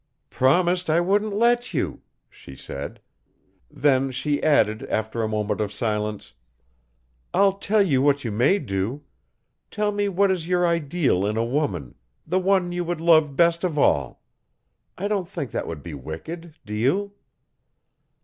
'Promised I wouldn't let you,' she said. Then she added after a moment of silence, 'I'll tell you what you may do tell me what is your ideal in a woman the one you would love best of all. I don't think that would be wicked do you?'